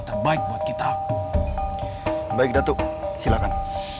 dan aku harap